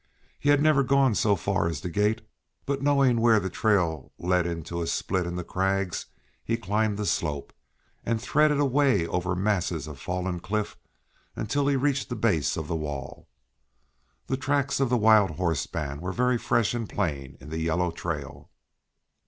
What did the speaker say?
He had never gone so far as the gate, but, knowing where the trail led into a split in the crags, he climbed the slope, and threaded a way over masses of fallen cliff, until he reached the base of the wall. The tracks of the wildhorse band were very fresh and plain in the yellow trail.